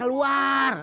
harus pindah ke rumah